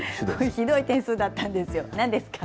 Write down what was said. ひどい点数だったんですよ、なんですか。